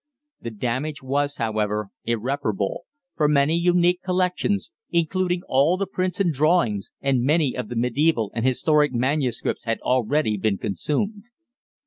The damage was, however, irreparable, for many unique collections, including all the prints and drawings, and many of the mediæval and historic manuscripts had already been consumed.